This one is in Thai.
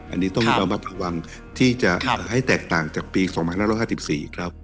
อันนี้ต้องระมัดระวังที่จะให้แตกต่างจากปี๒๕๕๔ครับ